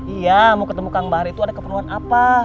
iya mau ketemu kang bahar itu ada keperluan apa